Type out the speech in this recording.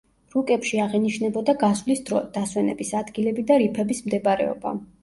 რუკებში აღინიშნებოდა გასვლის დრო, დასვენების ადგილები და რიფების მდებარეობა.